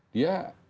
dia sudah diatur atur